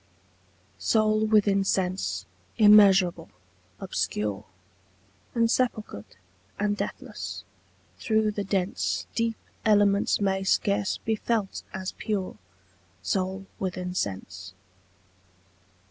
SOUL within sense, immeasurable, obscure, Insepulchred and deathless, through the dense Deep elements may scarce be felt as pure Soul within sense.